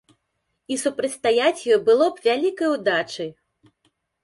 І супрацьстаяць ёй было б вялікай удачай.